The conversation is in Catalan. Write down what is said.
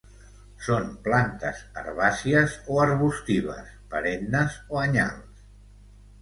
Són plantes herbàcies o arbustives, perennes o anyals.